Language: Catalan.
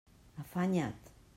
Afanya't!